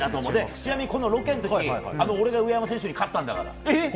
ちなみにこのロケの時俺が上山選手に勝ったんだから。